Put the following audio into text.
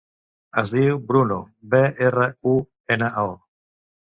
Es diu Bruno: be, erra, u, ena, o.